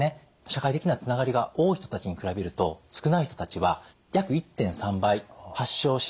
社会的なつながりが多い人たちに比べると少ない人たちは約１．３倍発症しやすいというふうな結果が出ています。